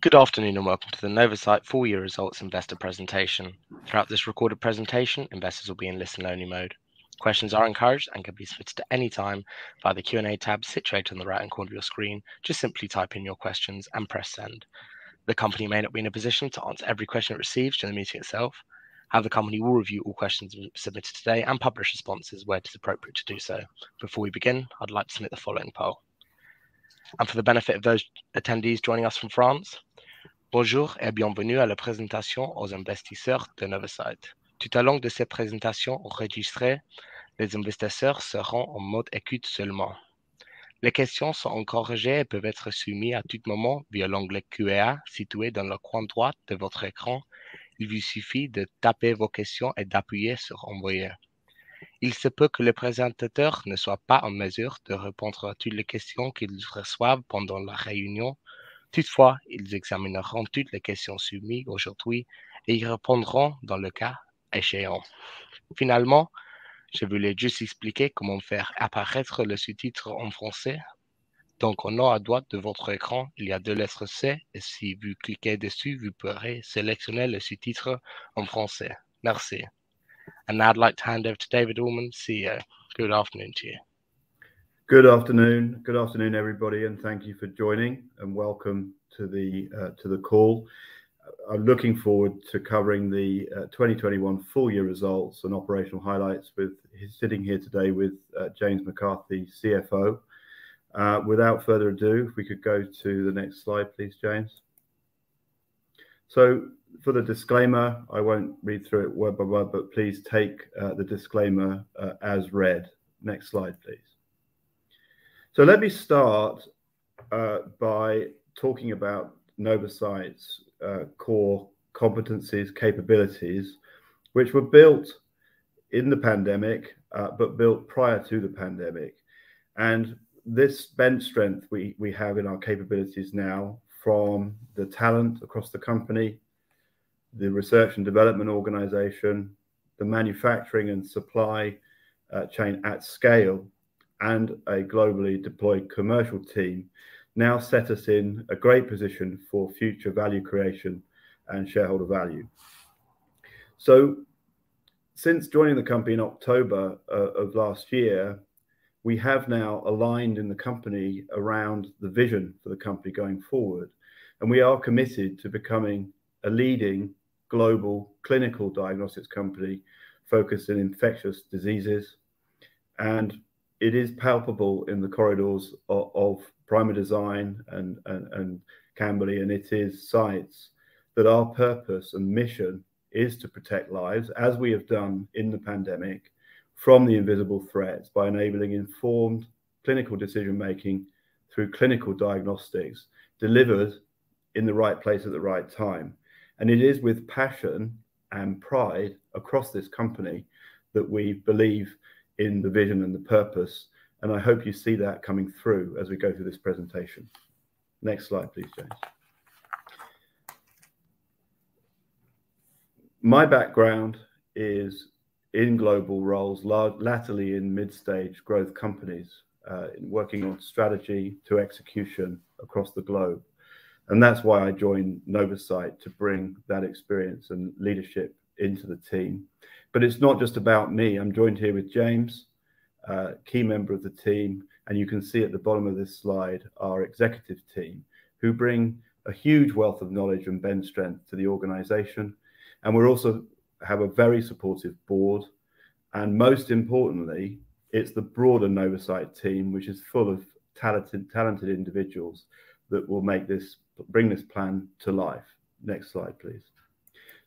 Good afternoon, and welcome to the Novacyt full year results investor presentation. Throughout this recorded presentation, investors will be in listen only mode. Questions are encouraged and can be submitted at any time via the Q&A tab situated in the right-hand corner of your screen. Just simply type in your questions and press Send. The company may not be in a position to answer every question it receives during the meeting itself. However, the company will review all questions submitted today and publish responses where it is appropriate to do so. Before we begin, I'd like to submit the following poll. For the benefit of those attendees joining us from France. Now I'd like to hand over to David Allmond, CEO. Good afternoon to you. Good afternoon. Good afternoon, everybody, and thank you for joining, and welcome to the call. I'm looking forward to covering the 2021 full year results and operational highlights. Sitting here today with James McCarthy, CFO. Without further ado, if we could go to the next slide, please, James. For the disclaimer, I won't read through it word by word, but please take the disclaimer as read. Next slide, please. Let me start by talking about Novacyt's core competencies, capabilities, which were built in the pandemic, but built prior to the pandemic. This bench strength we have in our capabilities now from the talent across the company, the research and development organization, the manufacturing and supply chain at scale, and a globally deployed commercial team now set us in a great position for future value creation and shareholder value. Since joining the company in October of last year, we have now aligned the company around the vision for the company going forward, and we are committed to becoming a leading global clinical diagnostics company focused in infectious diseases. It is palpable in the corridors of Primerdesign and Camberley, and its sites that our purpose and mission is to protect lives, as we have done in the pandemic, from the invisible threats by enabling informed clinical decision-making through clinical diagnostics delivered in the right place at the right time. It is with passion and pride across this company that we believe in the vision and the purpose, and I hope you see that coming through as we go through this presentation. Next slide, please, James. My background is in global roles, latterly in mid-stage growth companies, working on strategy to execution across the globe. That's why I joined Novacyt, to bring that experience and leadership into the team. It's not just about me. I'm joined here with James, a key member of the team, and you can see at the bottom of this slide our executive team who bring a huge wealth of knowledge and bench strength to the organization, and we also have a very supportive board. Most importantly, it's the broader Novacyt team, which is full of talented individuals that will bring this plan to life. Next slide, please.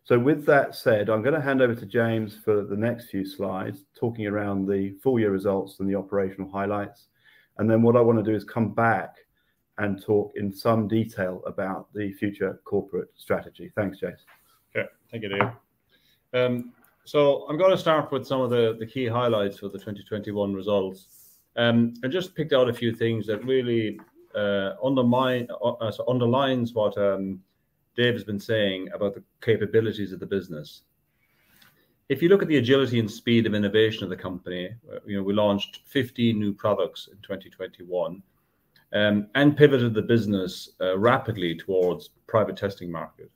With that said, I'm gonna hand over to James for the next few slides, talking around the full year results and the operational highlights. Then what I wanna do is come back and talk in some detail about the future corporate strategy. Thanks, James. Okay. Thank you, Dave. I'm gonna start off with some of the key highlights for the 2021 results. I just picked out a few things that really underlines what Dave has been saying about the capabilities of the business. If you look at the agility and speed of innovation of the company, you know, we launched 50 new products in 2021, and pivoted the business rapidly towards private testing market.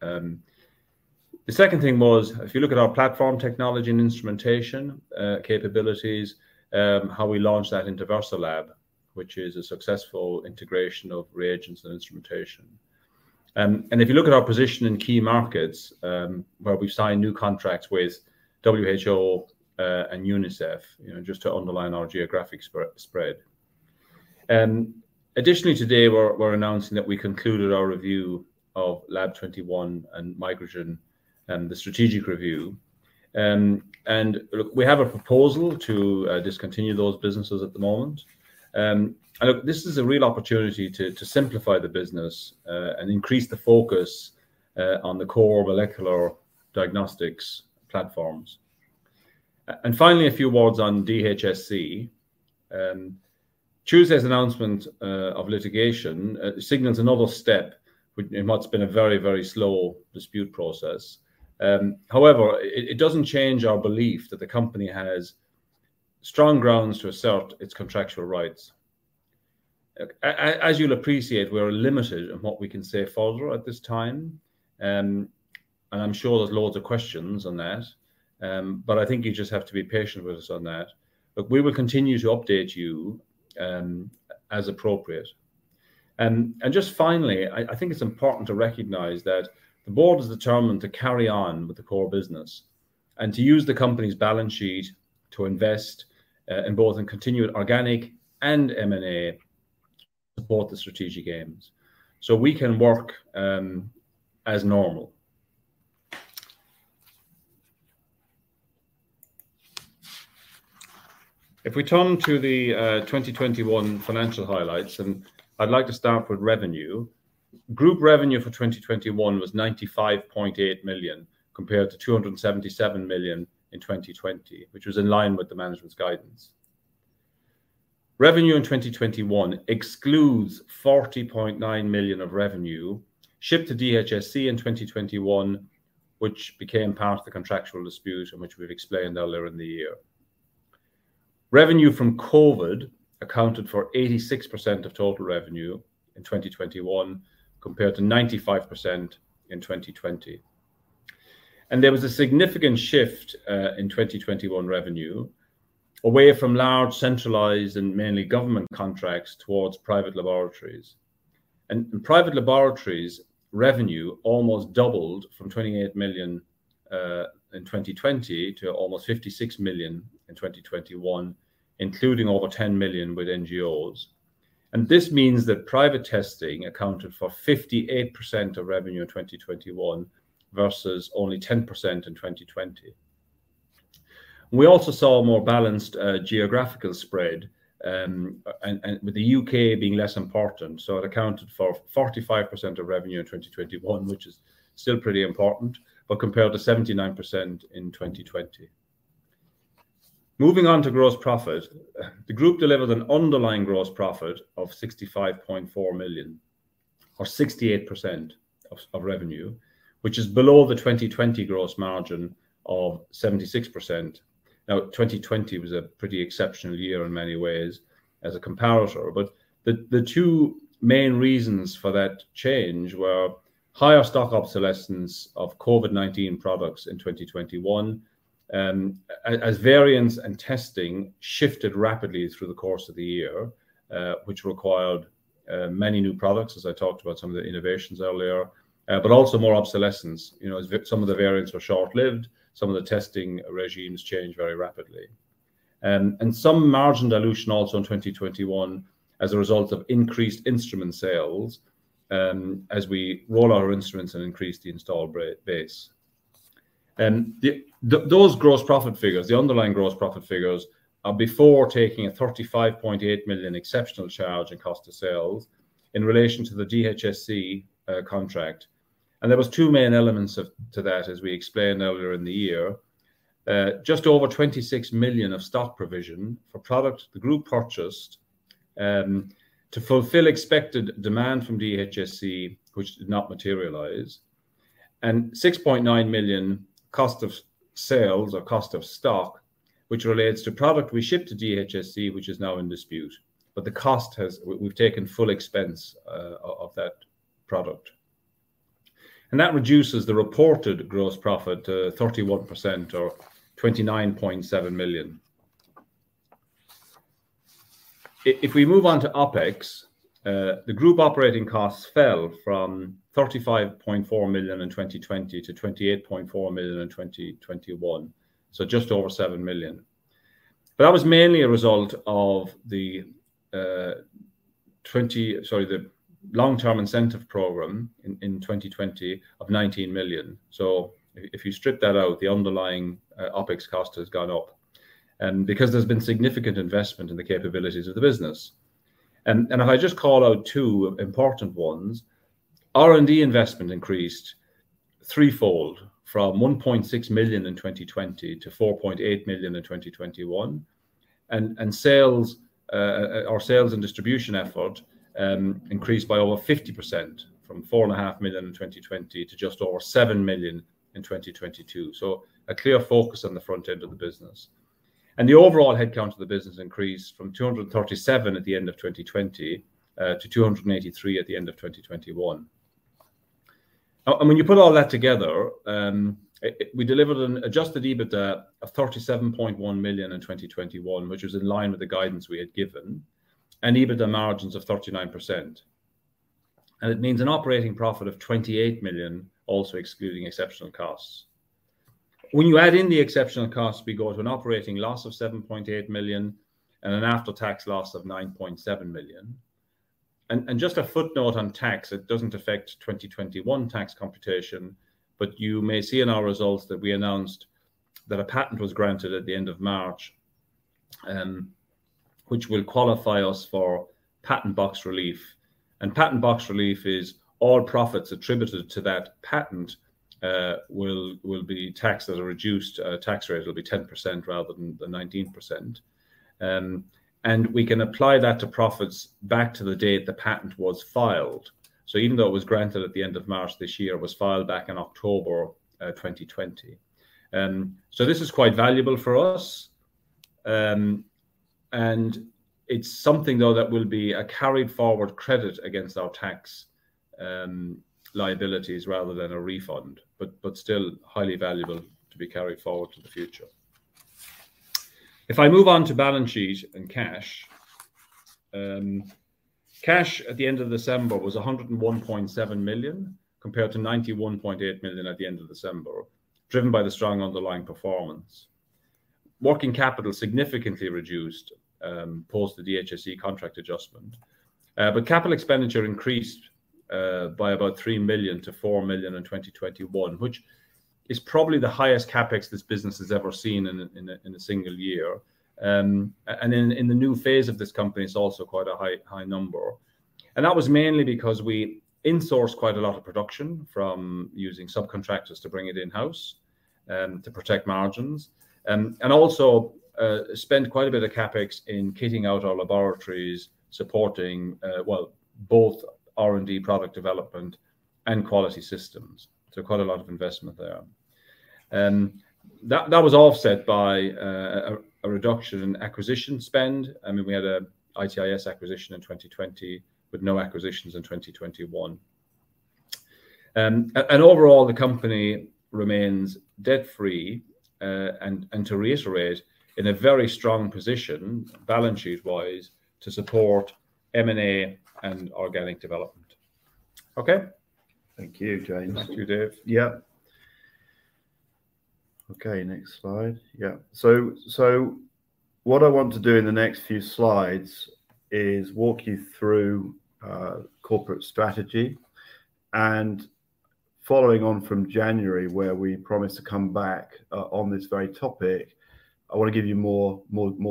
The second thing was if you look at our platform technology and instrumentation capabilities, how we launched that into VersaLab, which is a successful integration of reagents and instrumentation. If you look at our position in key markets, where we've signed new contracts with WHO and UNICEF, you know, just to underline our geographic spread. Additionally today we're announcing that we concluded our review of Lab21 and Microgen and the strategic review. We have a proposal to discontinue those businesses at the moment. This is a real opportunity to simplify the business and increase the focus on the core molecular diagnostics platforms. Finally, a few words on DHSC. Tuesday's announcement of litigation signals a novel step in what's been a very slow dispute process. However, it doesn't change our belief that the company has strong grounds to assert its contractual rights. As you'll appreciate, we're limited in what we can say further at this time, and I'm sure there's loads of questions on that, but I think you just have to be patient with us on that. We will continue to update you as appropriate. Just finally, I think it's important to recognize that the board is determined to carry on with the core business and to use the company's balance sheet to invest in both continued organic and M&A to support the strategic aims, so we can work as normal. If we turn to the 2021 financial highlights, I'd like to start with revenue. Group revenue for 2021 was 95.8 million compared to 277 million in 2020, which was in line with management's guidance. Revenue in 2021 excludes 40.9 million of revenue shipped to DHSC in 2021, which became part of the contractual dispute in which we've explained earlier in the year. Revenue from COVID accounted for 86% of total revenue in 2021 compared to 95% in 2020. There was a significant shift in 2021 revenue away from large centralized and mainly government contracts towards private laboratories. Private laboratories revenue almost doubled from 28 million in 2020 to almost 56 million in 2021, including over 10 million with NGOs. This means that private testing accounted for 58% of revenue in 2021 versus only 10% in 2020. We also saw a more balanced geographical spread, and with the UK being less important. It accounted for 45% of revenue in 2021, which is still pretty important, but compared to 79% in 2020. Moving on to gross profit. The group delivered an underlying gross profit of 65.4 million or 68% of revenue, which is below the 2020 gross margin of 76%. Now, 2020 was a pretty exceptional year in many ways as a comparator. The two main reasons for that change were higher stock obsolescence of COVID-19 products in 2021, as variants and testing shifted rapidly through the course of the year, which required many new products as I talked about some of the innovations earlier. Also more obsolescence. You know, as some of the variants were short-lived, some of the testing regimes changed very rapidly. Some margin dilution also in 2021 as a result of increased instrument sales, as we roll out our instruments and increase the installed base. Those gross profit figures, the underlying gross profit figures, are before taking a 35.8 million exceptional charge in cost of sales in relation to the DHSC contract. There was two main elements to that as we explained earlier in the year. Just over 26 million of stock provision for products the group purchased to fulfill expected demand from DHSC, which did not materialize, and 6.9 million cost of sales or cost of stock which relates to product we shipped to DHSC which is now in dispute. The cost, we've taken full expense of that product. That reduces the reported gross profit to 31% or 29.7 million. If we move on to OpEx, the group operating costs fell from 35.4 million in 2020 to 28.4 million in 2021, just over 7 million. That was mainly a result of the long-term incentive program in 2020 of 19 million. If you strip that out, the underlying OpEx cost has gone up because there's been significant investment in the capabilities of the business. If I just call out two important ones, R&D investment increased threefold from 1.6 million in 2020 to 4.8 million in 2021. Sales, our sales and distribution effort, increased by over 50% from 4.5 million in 2020 to just over 7 million in 2022. A clear focus on the front end of the business. The overall headcount of the business increased from 237 at the end of 2020 to 283 at the end of 2021. When you put all that together, we delivered an adjusted EBITDA of 37.1 million in 2021, which was in line with the guidance we had given, and EBITDA margins of 39%. It means an operating profit of 28 million also excluding exceptional costs. When you add in the exceptional costs, we go to an operating loss of 7.8 million and an after-tax loss of 9.7 million. Just a footnote on tax, it doesn't affect 2021 tax computation, but you may see in our results that we announced that a patent was granted at the end of March, which will qualify us for Patent Box relief. Patent Box relief is all profits attributed to that patent will be taxed at a reduced tax rate. It'll be 10% rather than the 19%. We can apply that to profits back to the date the patent was filed. Even though it was granted at the end of March this year, it was filed back in October 2020. This is quite valuable for us, and it's something though that will be a carried forward credit against our tax liabilities rather than a refund. Still highly valuable to be carried forward to the future. If I move on to balance sheet and cash at the end of December was 101.7 million compared to 91.8 million at the end of December, driven by the strong underlying performance. Working capital significantly reduced post the DHSC contract adjustment. Capital expenditure increased by about 3 million-4 million in 2021, which is probably the highest CapEx this business has ever seen in a single year. And in the new phase of this company it's also quite a high number. That was mainly because we insourced quite a lot of production from using subcontractors to bring it in-house to protect margins. Also spent quite a bit of CapEx in kitting out our laboratories, supporting well, both R&D product development and quality systems. Quite a lot of investment there. That was offset by a reduction in acquisition spend. I mean, we had a IT-IS acquisition in 2020 with no acquisitions in 2021. Overall, the company remains debt-free and to reiterate, in a very strong position balance sheet-wise to support M&A and organic development. Okay? Thank you, James. Thank you, Dave. Okay, next slide. What I want to do in the next few slides is walk you through corporate strategy, and following on from January where we promised to come back on this very topic, I want to give you more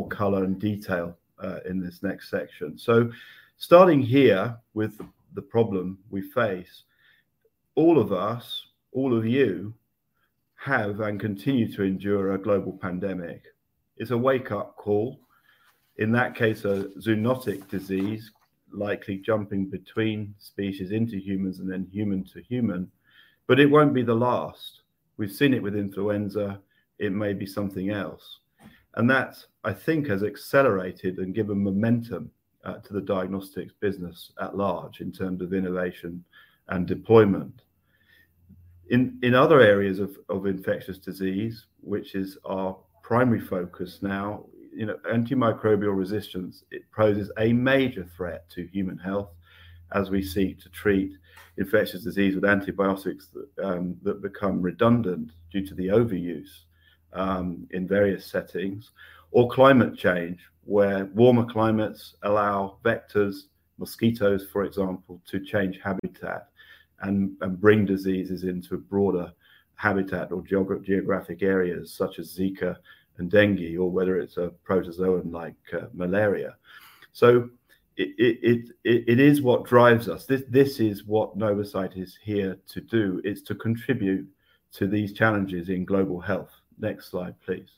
color and detail in this next section. Starting here with the problem we face, all of us, all of you have and continue to endure a global pandemic. It's a wake-up call, in that case a zoonotic disease likely jumping between species into humans and then human to human, but it won't be the last. We've seen it with influenza. It may be something else. That, I think, has accelerated and given momentum to the diagnostics business at large in terms of innovation and deployment. In other areas of infectious disease, which is our primary focus now, you know, antimicrobial resistance, it poses a major threat to human health as we seek to treat infectious disease with antibiotics that become redundant due to the overuse in various settings. Or climate change, where warmer climates allow vectors, mosquitoes for example, to change habitat and bring diseases into a broader habitat or geographic areas such as Zika and dengue or whether it's a protozoan like malaria. So it is what drives us. This is what Novacyt is here to do is to contribute to these challenges in global health. Next slide, please.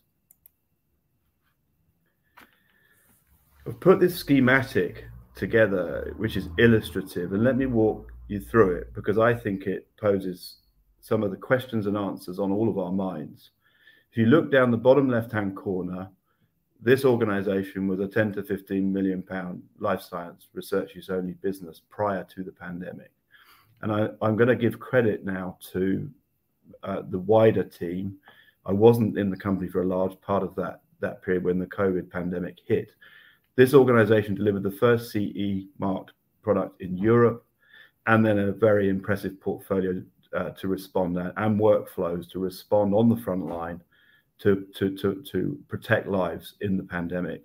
I've put this schematic together, which is illustrative, and let me walk you through it because I think it poses some of the questions and answers on all of our minds. If you look down the bottom left-hand corner, this organization was a 10 million-15 million pound life science research's only business prior to the pandemic. I'm gonna give credit now to the wider team. I wasn't in the company for a large part of that period when the COVID pandemic hit. This organization delivered the first CE mark product in Europe, and then a very impressive portfolio to respond there and workflows to respond on the front line to protect lives in the pandemic.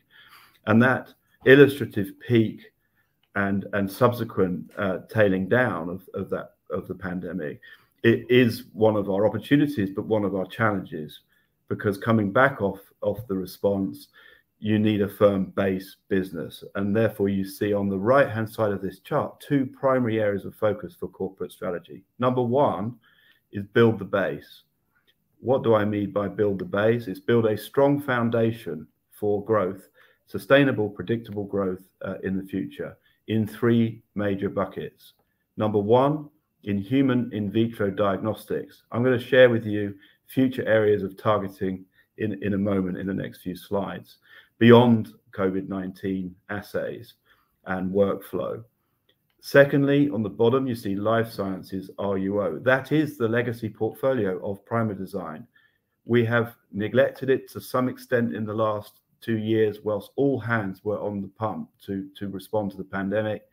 That illustrative peak and subsequent tailing down of the pandemic, it is one of our opportunities but one of our challenges. Because coming back off the response, you need a firm base business. Therefore you see on the right-hand side of this chart two primary areas of focus for corporate strategy. Number one is build the base. What do I mean by build the base? It's build a strong foundation for growth, sustainable, predictable growth, in the future in three major buckets. Number one, in human in vitro diagnostics. I'm gonna share with you future areas of targeting in a moment in the next few slides beyond COVID-19 assays and workflow. Secondly, on the bottom you see life sciences RUO. That is the legacy portfolio of Primerdesign. We have neglected it to some extent in the last two years while all hands were on the pump to respond to the pandemic.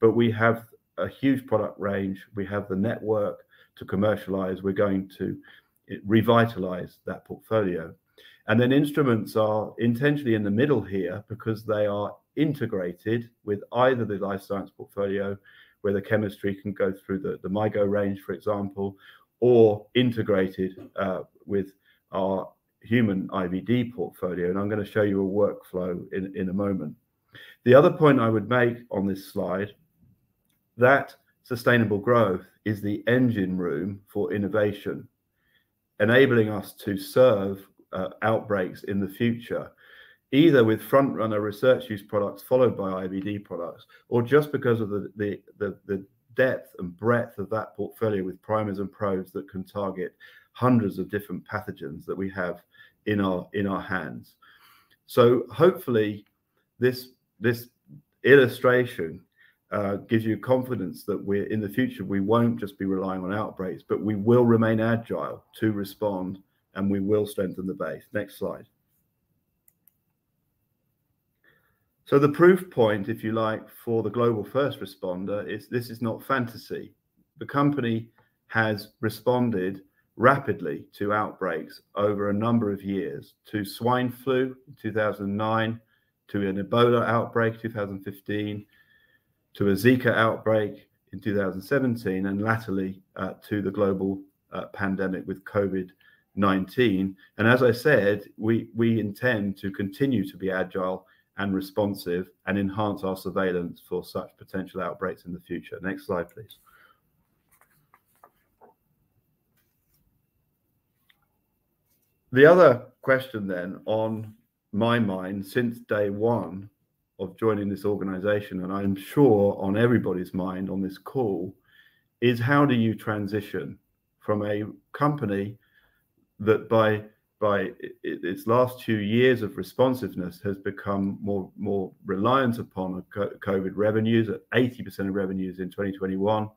We have a huge product range, we have the network to commercialize. We're going to revitalize that portfolio. Instruments are intentionally in the middle here because they are integrated with either the life science portfolio where the chemistry can go through the MyGo range, for example, or integrated with our human IVD portfolio, and I'm gonna show you a workflow in a moment. The other point I would make on this slide is that sustainable growth is the engine room for innovation. Enabling us to serve outbreaks in the future, either with front-runner research use products followed by IVD products, or just because of the depth and breadth of that portfolio with primers and probes that can target hundreds of different pathogens that we have in our hands. Hopefully this illustration gives you confidence that we in the future won't just be relying on outbreaks, but we will remain agile to respond, and we will strengthen the base. Next slide. The proof point, if you like, for the global first responder is this is not fantasy. The company has responded rapidly to outbreaks over a number of years to swine flu in 2009, to an Ebola outbreak in 2015, to a Zika outbreak in 2017, and latterly to the global pandemic with COVID-19. And as I said, we intend to continue to be agile and responsive and enhance our surveillance for such potential outbreaks in the future. Next slide, please. The other question on my mind since day one of joining this organization, and I'm sure on everybody's mind on this call, is how do you transition from a company that by its last two years of responsiveness has become more reliant upon COVID revenues at 80% of revenues in 2021,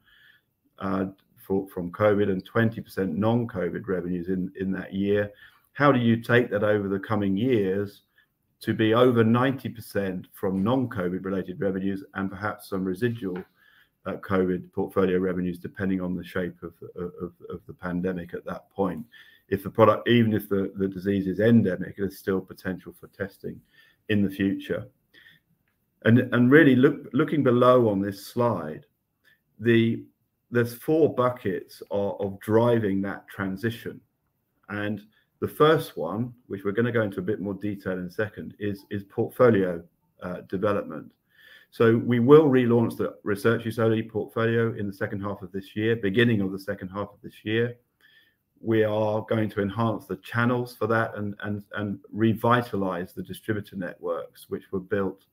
from COVID and 20% non-COVID revenues in that year. How do you take that over the coming years to be over 90% from non-COVID related revenues and perhaps some residual COVID portfolio revenues depending on the shape of the pandemic at that point? If the product even if the disease is endemic, there's still potential for testing in the future. Really looking below on this slide, there's four buckets of driving that transition. The first one, which we're gonna go into a bit more detail in a second, is portfolio development. We will relaunch the research facility portfolio in the H2 of this year, beginning of the H2 of this year. We are going to enhance the channels for that and revitalize the distributor networks which were built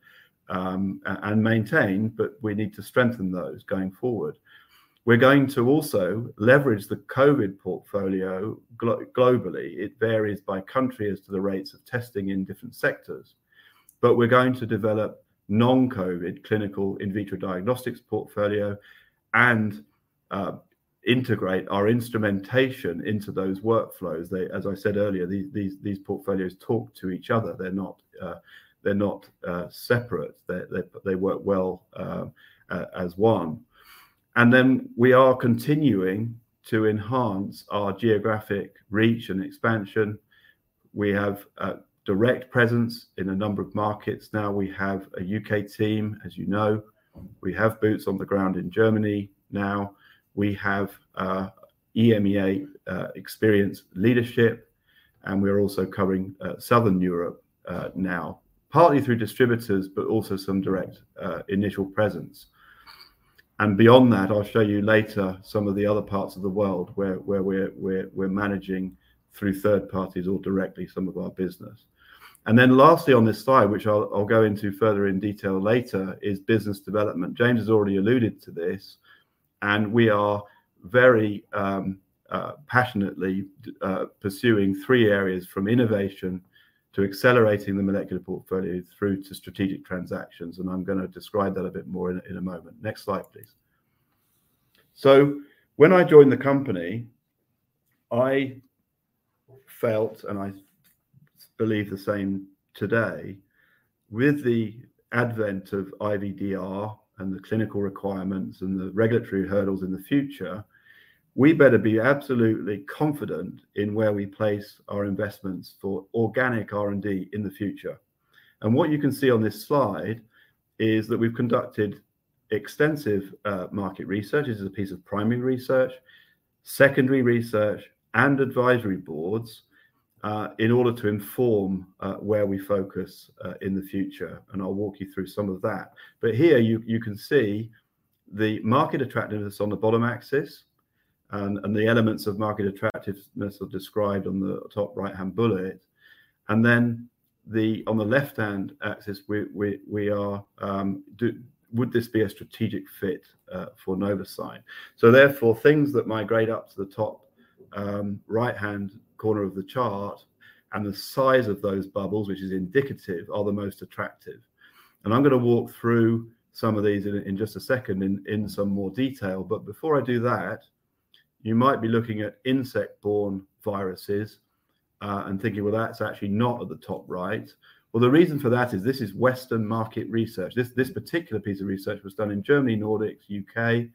and maintained, but we need to strengthen those going forward. We're going to also leverage the COVID portfolio globally. It varies by country as to the rates of testing in different sectors. We're going to develop non-COVID clinical in vitro diagnostics portfolio and integrate our instrumentation into those workflows. As I said earlier, these portfolios talk to each other. They're not separate. They work well as one. We are continuing to enhance our geographic reach and expansion. We have a direct presence in a number of markets now. We have a UK team, as you know. We have boots on the ground in Germany now. We have EMEA experienced leadership, and we're also covering Southern Europe now, partly through distributors, but also some direct initial presence. Beyond that, I'll show you later some of the other parts of the world where we're managing through third parties or directly some of our business. Lastly on this slide, which I'll go into further in detail later, is business development. James has already alluded to this, and we are very passionately pursuing three areas from innovation to accelerating the molecular portfolio through to strategic transactions. I'm gonna describe that a bit more in a moment. Next slide, please. When I joined the company, I felt, and I believe the same today, with the advent of IVDR and the clinical requirements and the regulatory hurdles in the future, we better be absolutely confident in where we place our investments for organic R&D in the future. What you can see on this slide is that we've conducted extensive market research. This is a piece of primary research, secondary research, and advisory boards in order to inform where we focus in the future. I'll walk you through some of that. Here you can see the market attractiveness on the bottom axis and the elements of market attractiveness are described on the top right-hand bullet. On the left-hand axis, would this be a strategic fit for Novacyt? Therefore, things that migrate up to the top right-hand corner of the chart and the size of those bubbles, which is indicative, are the most attractive. I'm gonna walk through some of these in just a second in some more detail. Before I do that, you might be looking at insect-borne viruses and thinking, "Well, that's actually not at the top right." Well, the reason for that is this is Western market research. This particular piece of research was done in Germany, Nordic, U.K.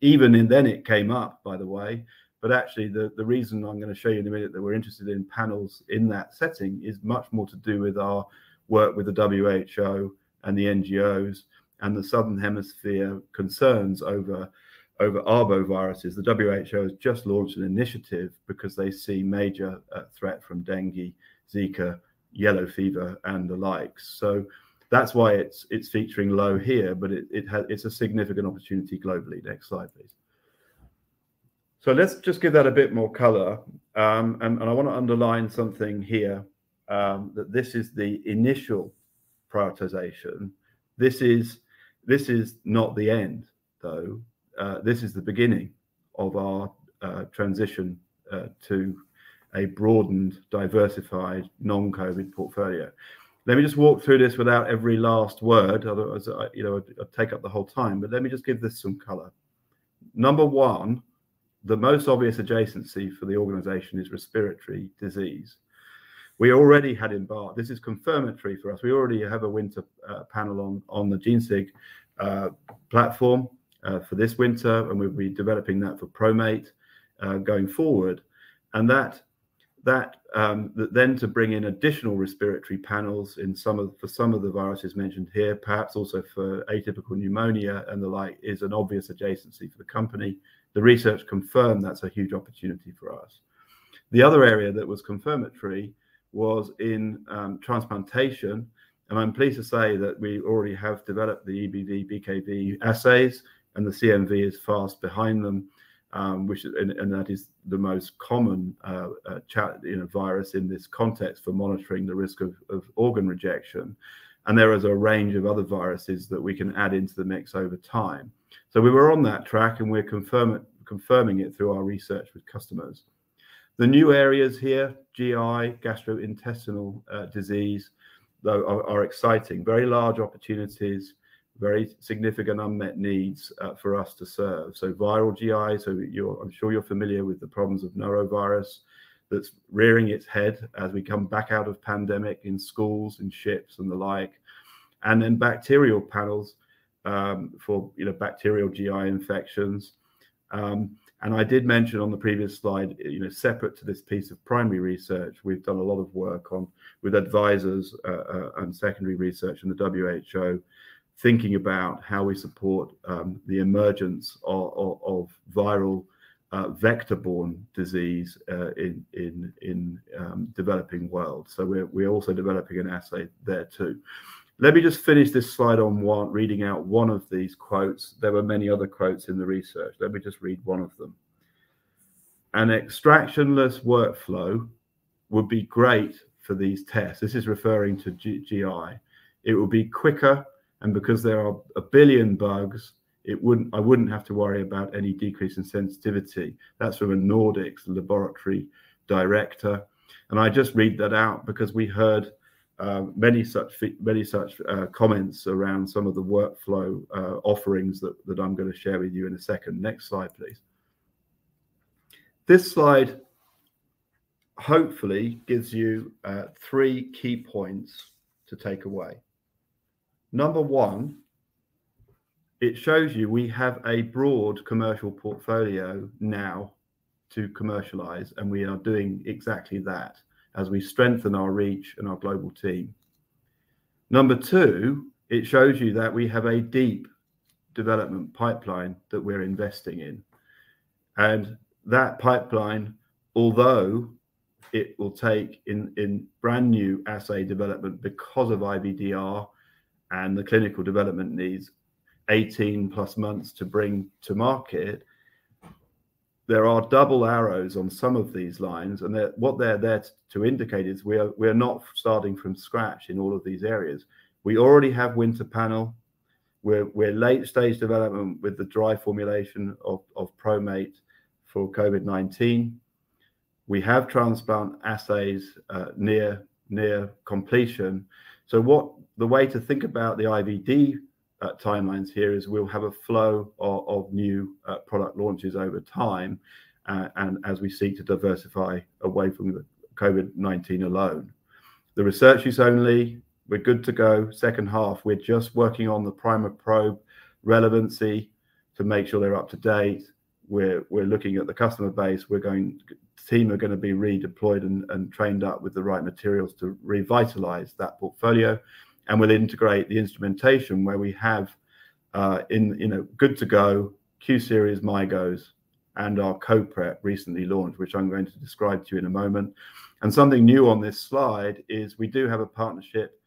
It came up, by the way, but actually the reason I'm gonna show you in a minute that we're interested in panels in that setting is much more to do with our work with the WHO and the NGOs and the Southern Hemisphere concerns over arboviruses. The WHO has just launched an initiative because they see major threat from dengue, Zika, yellow fever, and the likes. That's why it's featuring low here, but it's a significant opportunity globally. Next slide, please. Let's just give that a bit more color. And I want to underline something here, that this is the initial prioritization. This is not the end, though, this is the beginning of our transition to a broadened, diversified, non-COVID portfolio. Let me just walk through this without every last word, otherwise I, you know, I'd take up the whole time, but let me just give this some color. Number one, the most obvious adjacency for the organization is respiratory disease. This is confirmatory for us. We already have a winter panel on the genesig platform for this winter, and we'll be developing that for PROmate going forward. That then to bring in additional respiratory panels for some of the viruses mentioned here, perhaps also for atypical pneumonia and the like, is an obvious adjacency for the company. The research confirmed that's a huge opportunity for us. The other area that was confirmatory was in transplantation, and I'm pleased to say that we already have developed the EBV, BKV assays, and the CMV is fast behind them, which is and that is the most common CMV, you know, virus in this context for monitoring the risk of organ rejection. There is a range of other viruses that we can add into the mix over time. We were on that track, and we're confirming it through our research with customers. The new areas here, GI, gastrointestinal disease, though are exciting. Very large opportunities, very significant unmet needs for us to serve. Viral GI, I'm sure you're familiar with the problems of norovirus that's rearing its head as we come back out of pandemic in schools and ships and the like. Bacterial panels for you know bacterial GI infections. I did mention on the previous slide you know separate to this piece of primary research we've done a lot of work on with advisors and secondary research and the WHO thinking about how we support the emergence of viral vector-borne disease in developing world. We're also developing an assay there too. Let me just finish this slide on one reading out one of these quotes. There were many other quotes in the research. Let me just read one of them. "An extraction-less workflow would be great for these tests." This is referring to GI. "It would be quicker, and because there are a billion bugs I wouldn't have to worry about any decrease in sensitivity." That's from a Nordics laboratory director. I just read that out because we heard many such comments around some of the workflow offerings that I'm gonna share with you in a second. Next slide, please. This slide hopefully gives you three key points to take away. Number one, it shows you we have a broad commercial portfolio now to commercialize, and we are doing exactly that as we strengthen our reach and our global team. Number two, it shows you that we have a deep development pipeline that we're investing in. That pipeline, although it will take in brand new assay development because of IVDR and the clinical development needs 18+ months to bring to market, there are double arrows on some of these lines, and they're what they're there to indicate is we are not starting from scratch in all of these areas. We already have winter panel. We're late stage development with the dry formulation of PROmate for COVID-19. We have transplant assays near completion. The way to think about the IVD timelines here is we'll have a flow of new product launches over time, and as we seek to diversify away from the COVID-19 alone. The research use only, we're good to go H2. We're just working on the primer probe relevancy to make sure they're up to date. We're looking at the customer base. Team are gonna be redeployed and trained up with the right materials to revitalize that portfolio. We'll integrate the instrumentation where we have, you know, good to go Q Series, MyGos, and our CO-Prep recently launched, which I'm going to describe to you in a moment. Something new on this slide is we do have a partnership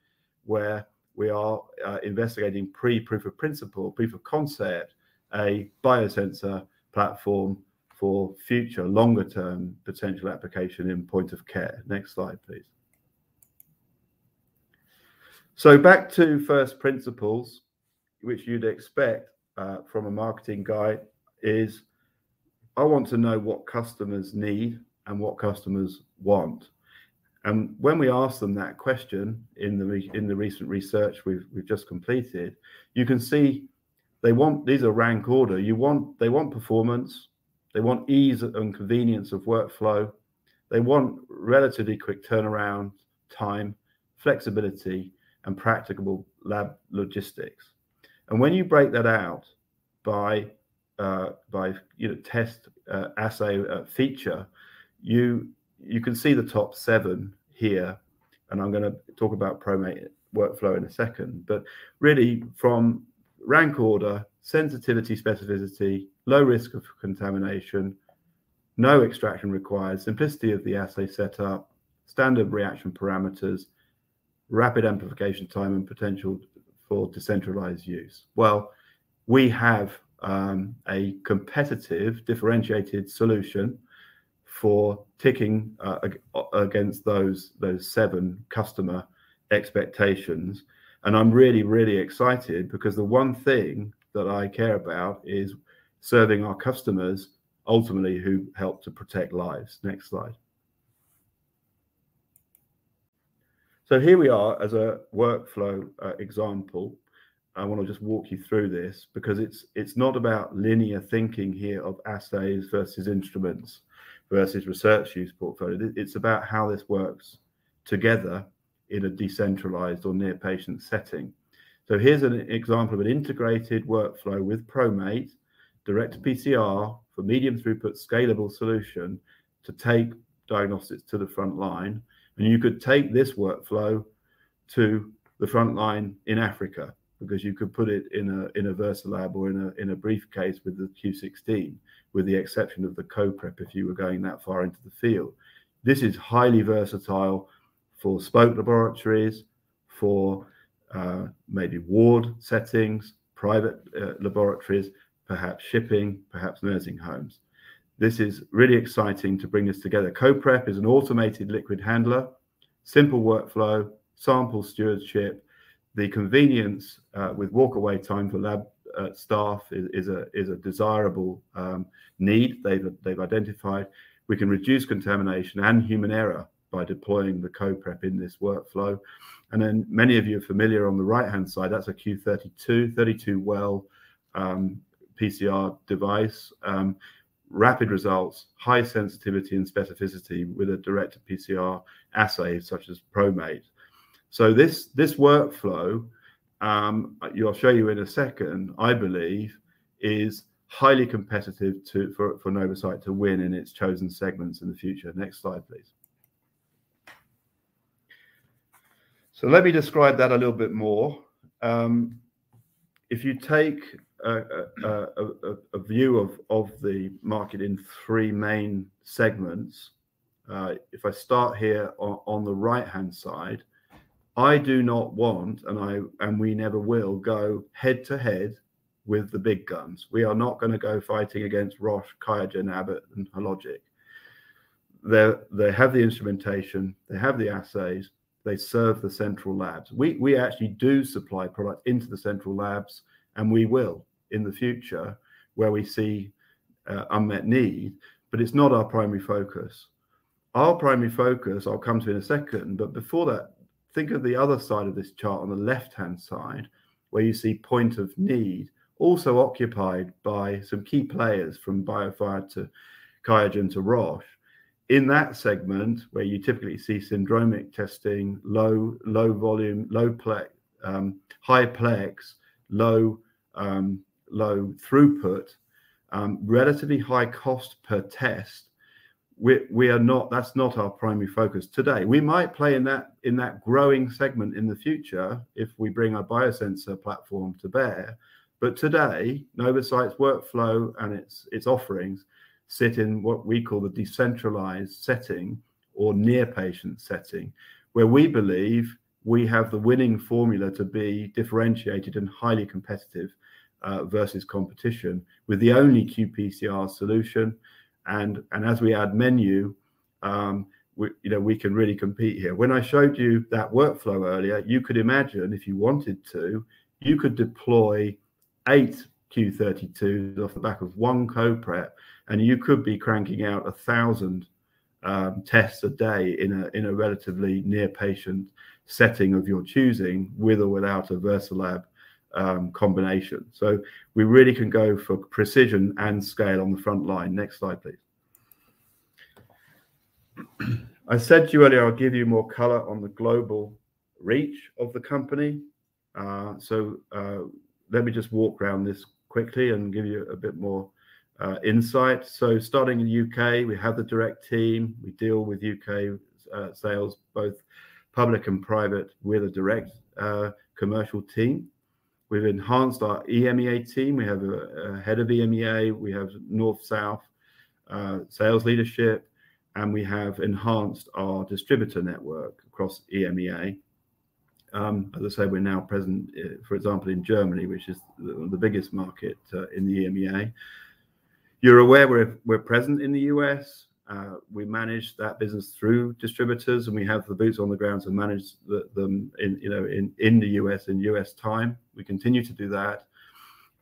where we are investigating pre-proof of principle, proof of concept, a biosensor platform for future longer term potential application in point of care. Next slide, please. Back to first principles, which you'd expect from a marketing guy, is I want to know what customers need and what customers want. When we ask them that question in the recent research we've just completed, you can see they want. These are rank order. They want performance, they want ease and convenience of workflow, they want relatively quick turnaround time, flexibility, and practicable lab logistics. When you break that out by, you know, test, assay, feature, you can see the top seven here, and I'm gonna talk about PROmate workflow in a second. Really from rank order, sensitivity, specificity, low risk of contamination, no extraction required, simplicity of the assay setup, standard reaction parameters, rapid amplification time and potential for decentralized use. Well, we have a competitive differentiated solution for ticking against those seven customer expectations, and I'm really, really excited because the one thing that I care about is serving our customers ultimately who help to protect lives. Next slide. Here we are as a workflow example. I wanna just walk you through this because it's not about linear thinking here of assays versus instruments versus research use portfolio. It's about how this works together in a decentralized or near patient setting. Here's an example of an integrated workflow with PROmate direct PCR for medium throughput scalable solution to take diagnostics to the front line. You could take this workflow to the front line in Africa because you could put it in a VersaLab or in a briefcase with the q16, with the exception of the CO-Prep if you were going that far into the field. This is highly versatile for spoke laboratories, for maybe ward settings, private laboratories, perhaps shipping, perhaps nursing homes. This is really exciting to bring this together. CO-Prep is an automated liquid handler, simple workflow, sample stewardship. The convenience with walkaway time for lab staff is a desirable need they've identified. We can reduce contamination and human error by deploying the CO-Prep in this workflow. Many of you are familiar on the right-hand side, that's a q32, 32-well PCR device. Rapid results, high sensitivity and specificity with a direct PCR assay such as PROmate. This workflow, I'll show you in a second, I believe is highly competitive for Novacyt to win in its chosen segments in the future. Next slide, please. Let me describe that a little bit more. If you take a view of the market in three main segments, if I start here on the right-hand side, I do not want and we never will go head to head with the big guns. We are not gonna go fighting against Roche, QIAGEN, Abbott and Hologic. They're. They have the instrumentation, they have the assays, they serve the central labs. We actually do supply products into the central labs, and we will in the future where we see unmet need, but it's not our primary focus. Our primary focus, I'll come to in a second, but before that, think of the other side of this chart on the left-hand side where you see point of need also occupied by some key players from BioFire to QIAGEN to Roche. In that segment where you typically see syndromic testing, low volume, low plex, high plex, low throughput, relatively high cost per test. That's not our primary focus today. We might play in that growing segment in the future if we bring our biosensor platform to bear. But today, Novacyt's workflow and its offerings sit in what we call the decentralized setting or near patient setting, where we believe we have the winning formula to be differentiated and highly competitive versus competition with the only qPCR solution. As we add menu, you know, we can really compete here. When I showed you that workflow earlier, you could imagine, if you wanted to, you could deploy eight q32s off the back of one CO-Prep, and you could be cranking out 1,000 tests a day in a relatively near patient setting of your choosing with or without a VersaLab combination. We really can go for precision and scale on the front line. Next slide, please. I said to you earlier, I'll give you more color on the global reach of the company. Let me just walk around this quickly and give you a bit more insight. Starting in the UK, we have the direct team. We deal with UK sales, both public and private, with a direct commercial team. We've enhanced our EMEA team. We have a head of EMEA. We have North South sales leadership, and we have enhanced our distributor network across EMEA. As I said, we're now present, for example, in Germany, which is the biggest market in the EMEA. You're aware we're present in the U.S. We manage that business through distributors, and we have the boots on the ground to manage them in, you know, in the U.S., in U.S. time. We continue to do that.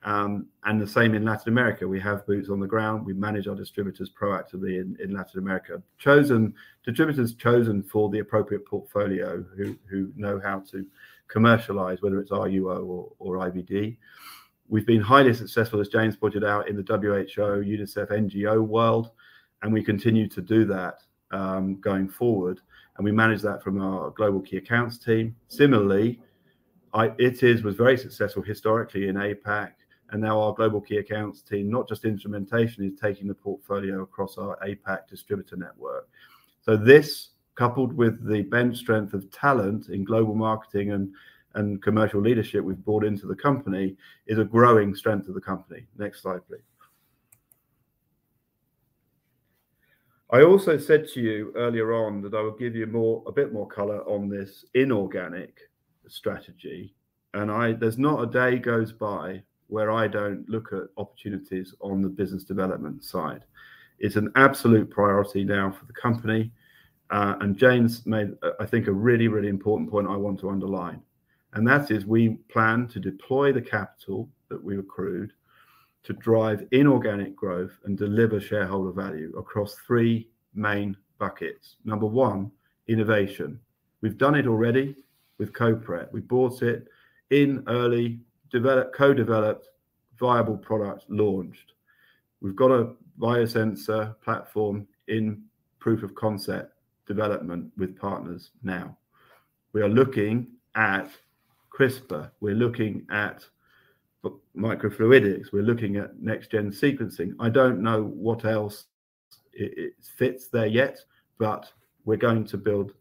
The same in Latin America. We have boots on the ground. We manage our distributors proactively in Latin America. Distributors chosen for the appropriate portfolio, who know how to commercialize, whether it's RUO or IVD. We've been highly successful, as James pointed out, in the WHO, UNICEF, NGO world, and we continue to do that, going forward, and we manage that from our global key accounts team. Similarly, it was very successful historically in APAC, and now our global key accounts team, not just instrumentation, is taking the portfolio across our APAC distributor network. This, coupled with the bench strength of talent in global marketing and commercial leadership we've brought into the company, is a growing strength of the company. Next slide, please. I also said to you earlier on that I would give you more, a bit more color on this inorganic strategy. There's not a day goes by where I don't look at opportunities on the business development side. It's an absolute priority now for the company. James made, I think, a really, really important point I want to underline. That is we plan to deploy the capital that we've accrued to drive inorganic growth and deliver shareholder value across three main buckets. Number one, innovation. We've done it already with CO-Prep. We bought it in early, co-developed, viable product launched. We've got a biosensor platform in proof of concept development with partners now. We are looking at CRISPR. We're looking at microfluidics. We're looking at next gen sequencing. I don't know what else fits there yet, but we're going to build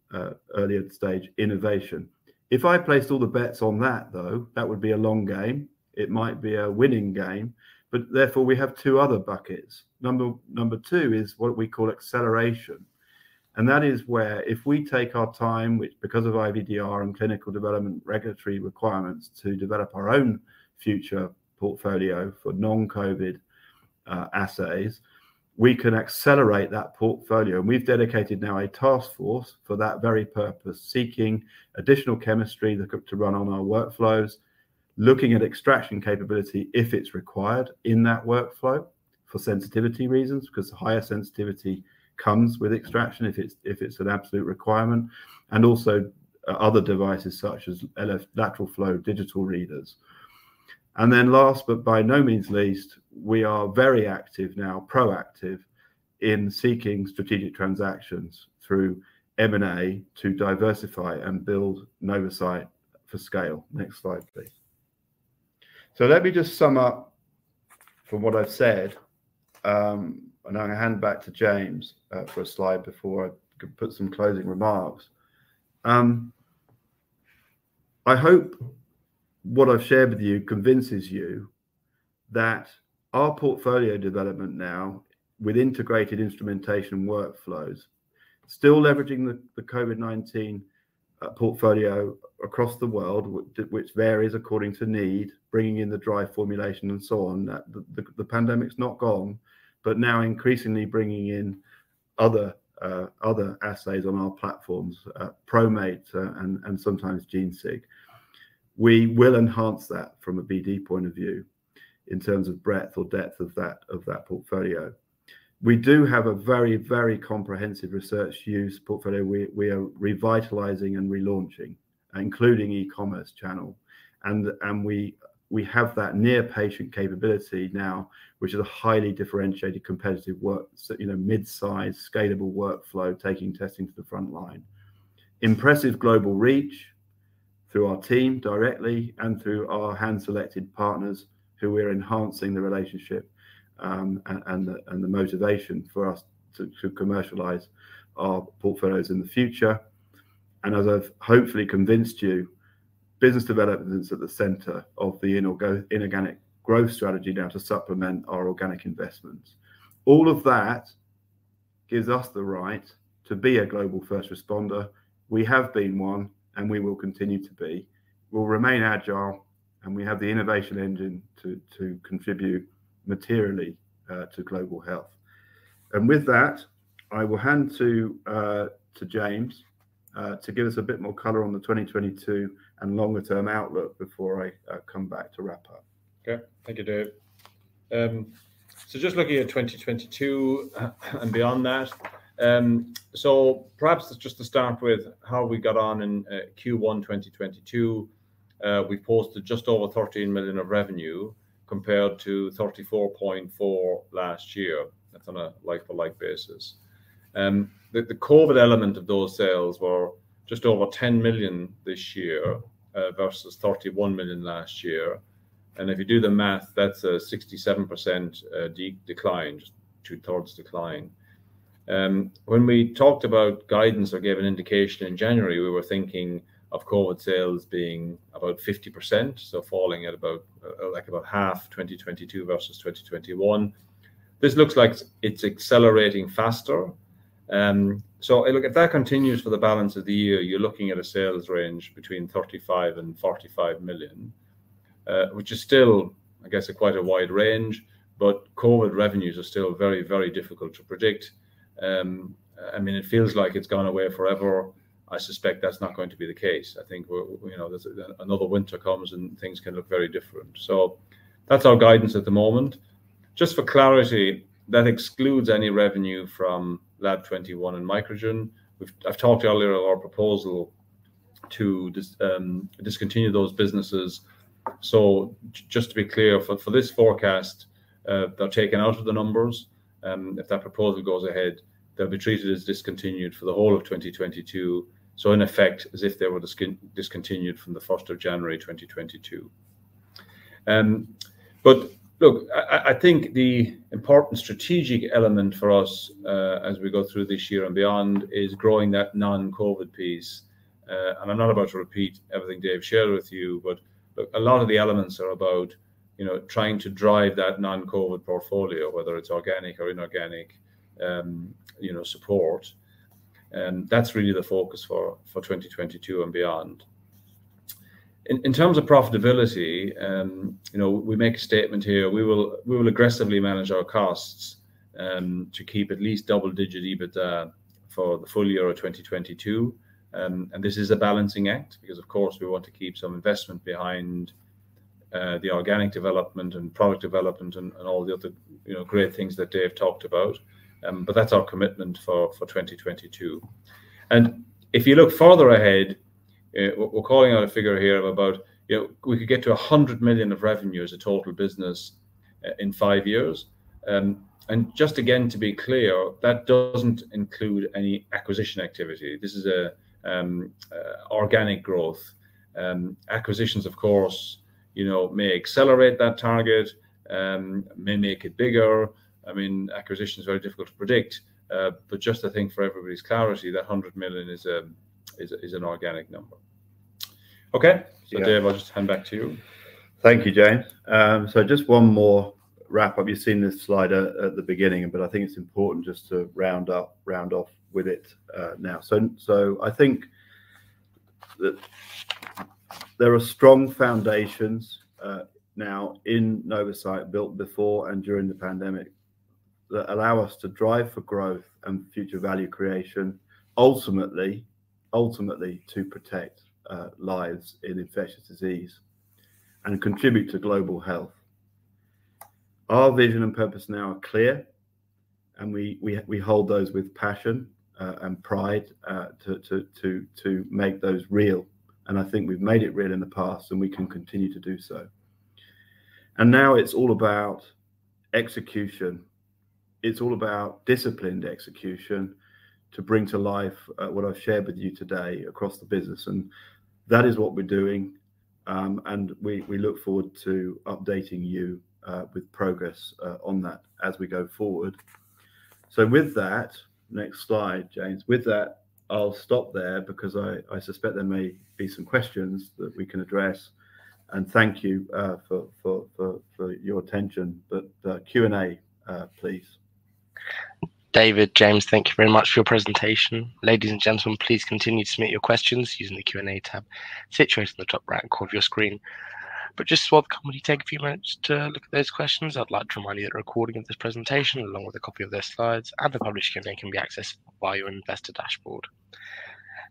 earlier stage innovation. If I placed all the bets on that though, that would be a long game. It might be a winning game, but therefore we have two other buckets. Number two is what we call acceleration. That is where if we take our time, which because of IVDR and clinical development regulatory requirements to develop our own future portfolio for non-COVID assays, we can accelerate that portfolio. We've dedicated now a task force for that very purpose, seeking additional chemistry to run on our workflows, looking at extraction capability if it's required in that workflow for sensitivity reasons, because higher sensitivity comes with extraction if it's an absolute requirement, and also other devices such as lateral flow digital readers. Last but by no means least, we are very active now, proactive in seeking strategic transactions through M&A to diversify and build Novacyt for scale. Next slide, please. Let me just sum up from what I've said, and I'm gonna hand back to James for a slide before I put some closing remarks. I hope what I've shared with you convinces you that our portfolio development now with integrated instrumentation workflows, still leveraging the COVID-19 portfolio across the world, which varies according to need, bringing in the dry formulation and so on. The pandemic's not gone, but now increasingly bringing in other assays on our platforms, PROmate and sometimes genesig. We will enhance that from a BD point of view in terms of breadth or depth of that portfolio. We do have a very comprehensive research use portfolio. We are revitalizing and relaunching, including e-commerce channel. We have that near patient capability now, which is a highly differentiated competitive moat. You know, mid-size scalable workflow, taking testing to the front line. Impressive global reach through our team directly and through our hand-selected partners who we are enhancing the relationship and the motivation for us to commercialize our portfolios in the future. As I've hopefully convinced you, business development is at the center of the inorganic growth strategy now to supplement our organic investments. All of that gives us the right to be a global first responder. We have been one, and we will continue to be. We'll remain agile, and we have the innovation engine to contribute materially to global health. With that, I will hand to James to give us a bit more color on the 2022 and longer-term outlook before I come back to wrap up. Okay. Thank you, David. Just looking at 2022 and beyond that. Perhaps just to start with how we got on in Q1 2022. We posted just over 13 million of revenue compared to 34.4 million last year. That's on a like-for-like basis. The COVID element of those sales were just over 10 million this year versus 31 million last year. If you do the math, that's a 67% decline, just 2/3 decline. When we talked about guidance or gave an indication in January, we were thinking of COVID sales being about 50%, so falling at about like about half 2022 versus 2021. This looks like it's accelerating faster. Look, if that continues for the balance of the year, you're looking at a sales range between 35 million and 45 million, which is still, I guess, quite a wide range. COVID revenues are still very, very difficult to predict. I mean, it feels like it's gone away forever. I suspect that's not going to be the case. I think we're, you know, there's another winter comes, and things can look very different. That's our guidance at the moment. Just for clarity, that excludes any revenue from Lab21 and Microgen. I've talked earlier of our proposal to discontinue those businesses. Just to be clear, for this forecast, they're taken out of the numbers. If that proposal goes ahead, they'll be treated as discontinued for the whole of 2022. in effect, as if they were discontinued from January 4th, 2022. Look, I think the important strategic element for us, as we go through this year and beyond, is growing that non-COVID piece. I'm not about to repeat everything David shared with you, but a lot of the elements are about, you know, trying to drive that non-COVID portfolio, whether it's organic or inorganic, you know, support. That's really the focus for 2022 and beyond. In terms of profitability, you know, we make a statement here, we will aggressively manage our costs to keep at least double-digit EBITDA for the full year of 2022. This is a balancing act because, of course, we want to keep some investment behind the organic development and product development and all the other, you know, great things that Dave talked about. That's our commitment for 2022. If you look farther ahead, we're calling out a figure here of about, you know, we could get to 100 million of revenue as a total business in five years. Just again to be clear, that doesn't include any acquisition activity. This is organic growth. Acquisitions, of course, you know, may accelerate that target, may make it bigger. I mean, acquisition is very difficult to predict, but just I think for everybody's clarity, that 100 million is an organic number. Okay. Yeah. Dave, I'll just hand back to you. Thank you, James. Just one more wrap up. You've seen this slide at the beginning, but I think it's important just to round up, round off with it now. I think that there are strong foundations now in Novacyt built before and during the pandemic that allow us to drive for growth and future value creation, ultimately to protect lives in infectious disease and contribute to global health. Our vision and purpose now are clear, and we hold those with passion and pride to make those real. I think we've made it real in the past, and we can continue to do so. Now it's all about execution. It's all about disciplined execution to bring to life what I've shared with you today across the business. That is what we're doing, and we look forward to updating you with progress on that as we go forward. With that, next slide, James. With that, I'll stop there because I suspect there may be some questions that we can address, and thank you for your attention. Q&A, please. David, James, thank you very much for your presentation. Ladies and gentlemen, please continue to submit your questions using the Q&A tab situated in the top right corner of your screen. Just while the company takes a few minutes to look at those questions, I'd like to remind you that a recording of this presentation, along with a copy of the slides and the published Q&A, can be accessed via your investor dashboard.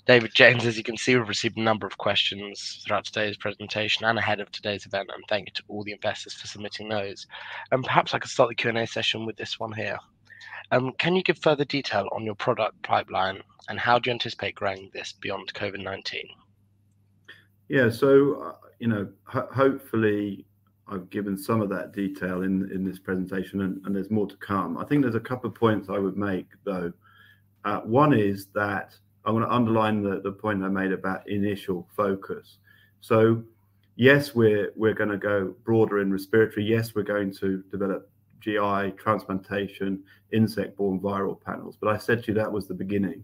David, James, as you can see, we've received a number of questions throughout today's presentation and ahead of today's event. Thank you to all the investors for submitting those. Perhaps I could start the Q&A session with this one here. Can you give further detail on your product pipeline, and how do you anticipate growing this beyond COVID-19? Yeah. You know, hopefully I've given some of that detail in this presentation, and there's more to come. I think there's a couple of points I would make though. One is that I wanna underline the point I made about initial focus. Yes, we're gonna go broader in respiratory. Yes, we're going to develop GI transplantation, insect-borne viral panels, but I said to you that was the beginning.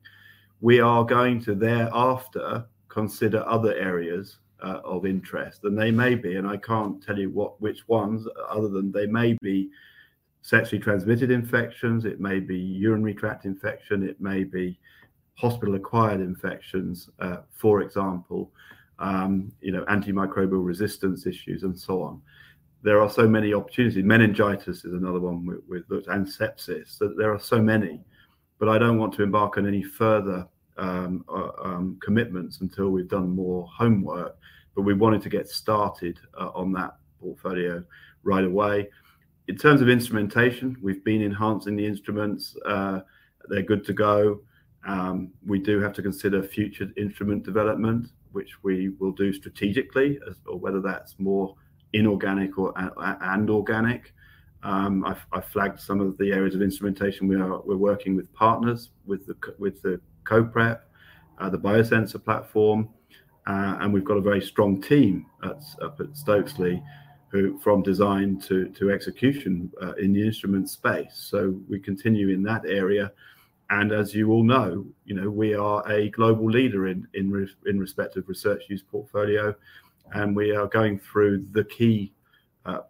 We are going to thereafter consider other areas of interest. They may be, and I can't tell you which ones other than they may be sexually transmitted infections, it may be urinary tract infection, it may be hospital-acquired infections, for example, you know, antimicrobial resistance issues and so on. There are so many opportunities. Meningitis is another one and sepsis. There are so many. I don't want to embark on any further commitments until we've done more homework, but we wanted to get started on that portfolio right away. In terms of instrumentation, we've been enhancing the instruments. They're good to go. We do have to consider future instrument development, which we will do strategically or whether that's more inorganic or organic. I've flagged some of the areas of instrumentation. We're working with partners with the CO-Prep, the biosensor platform. We've got a very strong team up at Stokesley who from design to execution in the instrument space. We continue in that area. As you all know, you know, we are a global leader in respect of research use portfolio, and we are going through the key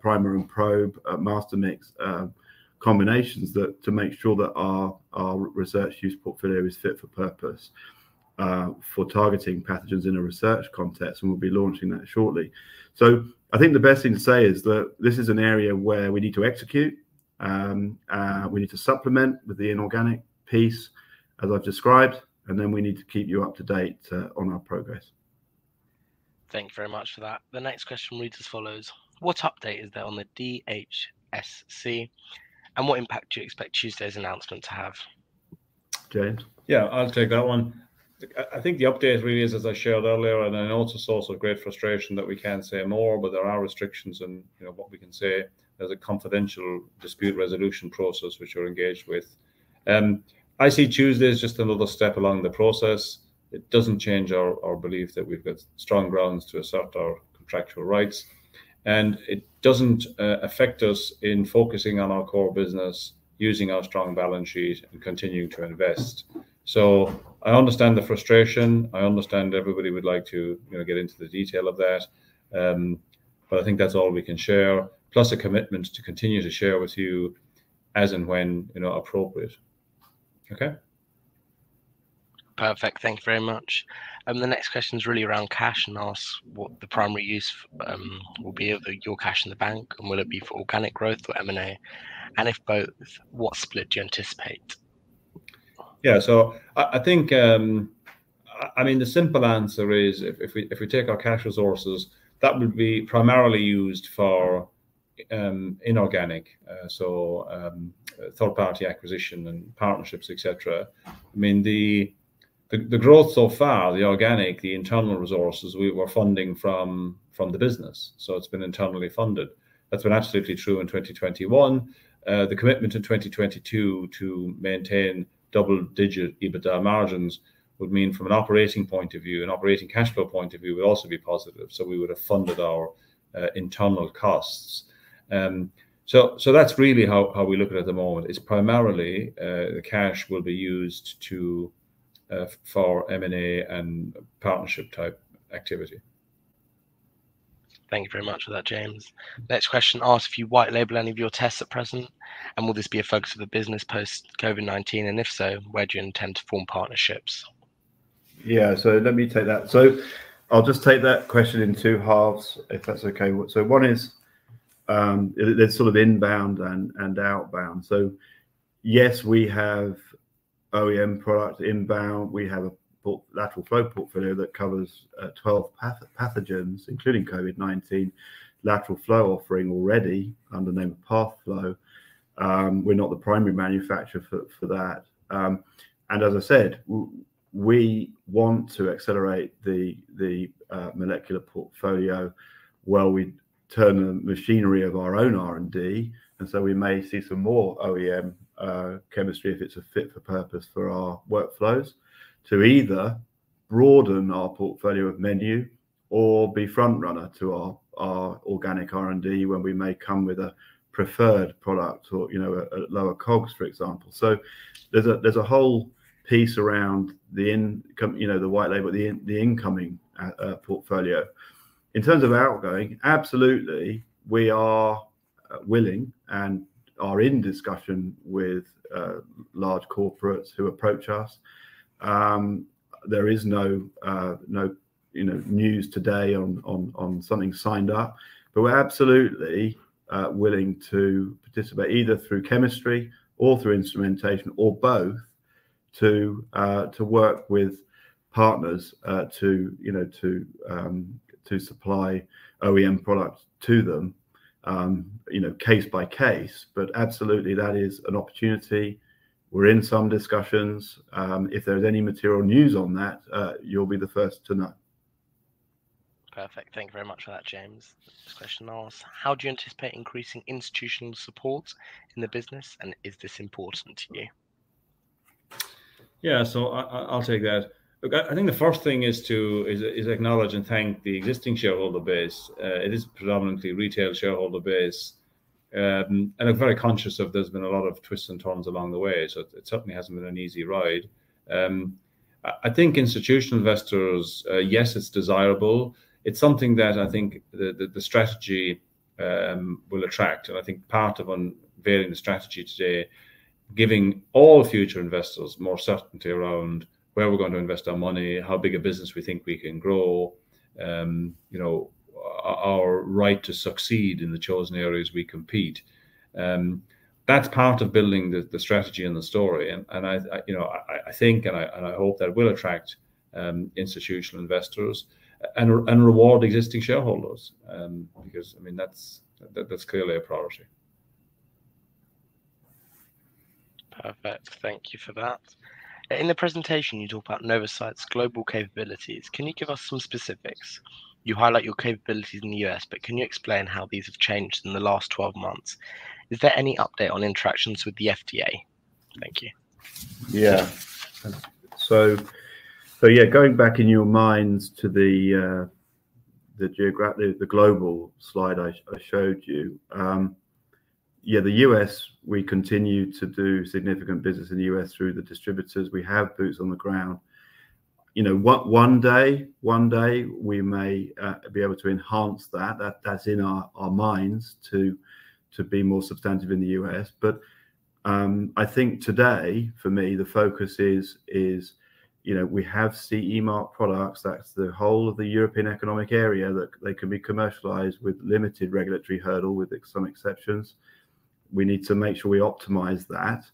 primer and probe master mix combinations that to make sure that our research use portfolio is fit for purpose for targeting pathogens in a research context. We'll be launching that shortly. I think the best thing to say is that this is an area where we need to execute. We need to supplement with the inorganic piece, as I've described, and then we need to keep you up to date on our progress. Thank you very much for that. The next question reads as follows: What update is there on the DHSC, and what impact do you expect Tuesday's announcement to have? James? Yeah, I'll take that one. I think the update really is, as I shared earlier, and I know it's a source of great frustration that we can't say more, but there are restrictions in, you know, what we can say. There's a confidential dispute resolution process which we're engaged with. I see Tuesday as just another step along the process. It doesn't change our belief that we've got strong grounds to assert our contractual rights, and it doesn't affect us in focusing on our core business, using our strong balance sheet and continuing to invest. I understand the frustration, I understand everybody would like to, you know, get into the detail of that. I think that's all we can share, plus a commitment to continue to share with you as and when, you know, appropriate. Okay? Perfect. Thank you very much. The next question's really around cash and asks what the primary use will be of your cash in the bank, and will it be for organic growth or M&A, and if both, what split do you anticipate? Yeah. I think, I mean the simple answer is if we take our cash resources, that would be primarily used for inorganic, third-party acquisition and partnerships, et cetera. I mean, the growth so far, the organic, the internal resources we were funding from the business, it's been internally funded. That's been absolutely true in 2021. The commitment in 2022 to maintain double digit EBITDA margins would mean from an operating point of view, an operating cash flow point of view would also be positive. We would've funded our internal costs. That's really how we look at it at the moment. It's primarily the cash will be used for M&A and partnership type activity. Thank you very much for that, James. Next question asks if you white label any of your tests at present, and will this be a focus of the business post-COVID-19, and if so, where do you intend to form partnerships? Yeah, let me take that. I'll just take that question in two halves, if that's okay. One is, there's sort of inbound and outbound. Yes, we have OEM product inbound. We have a lateral flow portfolio that covers 12 pathogens, including COVID-19 lateral flow offering already under the name of PathFlow. We're not the primary manufacturer for that. As I said, we want to accelerate the molecular portfolio while we turn the machinery of our own R&D. We may see some more OEM chemistry if it's a fit for purpose for our workflows to either broaden our portfolio of menu or be front runner to our organic R&D when we may come with a preferred product or, you know, at lower costs, for example. There's a whole piece around you know, the white label, the incoming portfolio. In terms of outgoing, absolutely we are willing and are in discussion with large corporates who approach us. There is no, you know, news today on something signed up, but we're absolutely willing to participate either through chemistry or through instrumentation or both to work with partners to, you know, to supply OEM products to them, you know, case by case. Absolutely that is an opportunity. We're in some discussions. If there's any material news on that, you'll be the first to know. Perfect. Thank you very much for that, James. This question asks, how do you anticipate increasing institutional support in the business, and is this important to you? I'll take that. Look, I think the first thing is to acknowledge and thank the existing shareholder base. It is predominantly retail shareholder base. I'm very conscious of there's been a lot of twists and turns along the way, so it certainly hasn't been an easy ride. I think institutional investors, yes, it's desirable. It's something that I think the strategy will attract. I think part of unveiling the strategy today, giving all future investors more certainty around where we're gonna invest our money, how big a business we think we can grow, you know, our right to succeed in the chosen areas we compete. That's part of building the strategy and the story. you know, I think, and I hope that will attract institutional investors and reward existing shareholders, because I mean, that's clearly a priority. Perfect. Thank you for that. In the presentation you talk about Novacyt's global capabilities. Can you give us some specifics? You highlight your capabilities in the U.S., but can you explain how these have changed in the last 12 months? Is there any update on interactions with the FDA? Thank you. Yeah. Going back in your minds to the global slide I showed you, yeah, the U.S. we continue to do significant business in the U.S. through the distributors. We have boots on the ground. You know, one day we may be able to enhance that's in our minds to be more substantive in the U.S. But I think today for me the focus is, you know, we have CE mark products, that's the whole of the European Economic Area that they can be commercialized with limited regulatory hurdle with some exceptions. We need to make sure we optimize that,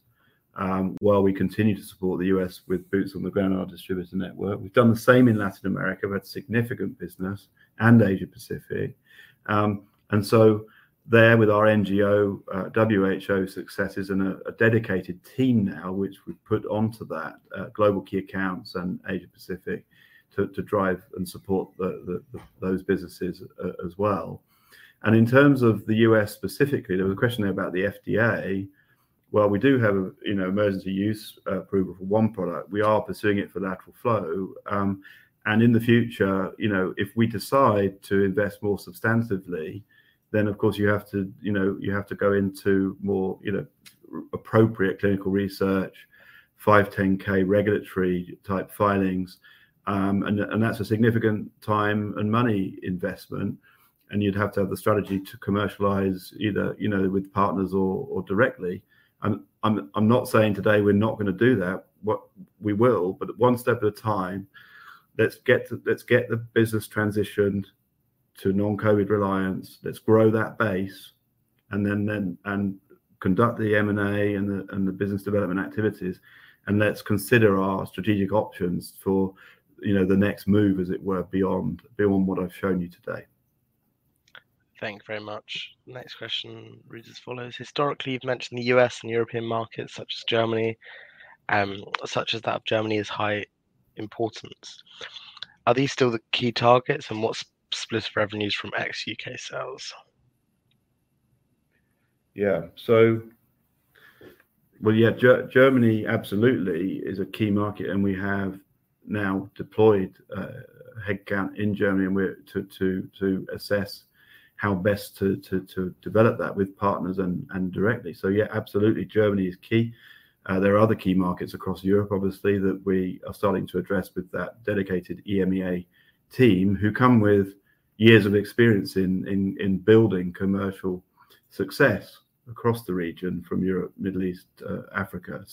while we continue to support the US with boots on the ground, our distributor network. We've done the same in Latin America, we've had significant business in Asia Pacific. There with our NGO and WHO successes and a dedicated team now, which we've put onto that global key accounts and Asia Pacific to drive and support those businesses, as well. In terms of the U.S. specifically, there was a question there about the FDA. While we do have, you know, emergency use approval for one product, we are pursuing it for lateral flow. In the future, you know, if we decide to invest more substantively, then of course you have to go into more, you know, appropriate clinical research, 510(k) regulatory type filings. That's a significant time and money investment, and you'd have to have the strategy to commercialize either, you know, with partners or directly. I'm not saying today we're not gonna do that. We will, but one step at a time. Let's get the business transitioned to non-COVID reliance. Let's grow that base and then and conduct the M&A and the business development activities, and let's consider our strategic options for, you know, the next move, as it were, beyond what I've shown you today. Thank you very much. Next question reads as follows: Historically, you've mentioned the U.S. and European markets such as that of Germany is high importance. Are these still the key targets, and what's split of revenues from ex-U.K. sales? Germany absolutely is a key market, and we have now deployed headcount in Germany, and we're to assess how best to develop that with partners and directly. Absolutely, Germany is key. There are other key markets across Europe, obviously, that we are starting to address with that dedicated EMEA team who come with years of experience in building commercial success across the region from Europe, Middle East, Africa.